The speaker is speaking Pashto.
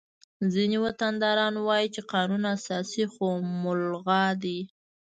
ځینې وطنداران وایي چې قانون اساسي خو ملغا دی